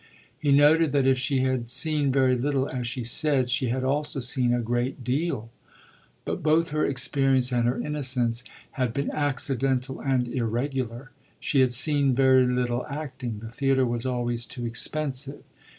He noted that if she had seen very little, as she said, she had also seen a great deal; but both her experience and her innocence had been accidental and irregular. She had seen very little acting the theatre was always too expensive.